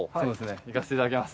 行かせていただきます。